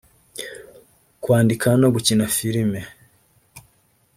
kwandika no gukina filime